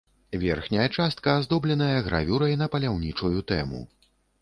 Верхняя частка аздобленая гравюрай на паляўнічую тэму.